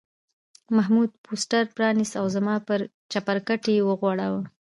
محمود پوسټر پرانیست او زما پر چپرکټ یې وغوړاوه.